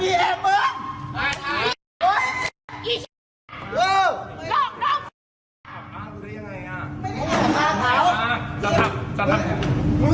เปิดไลน์สิทางนั้นน่ะเปิดไลน์เลย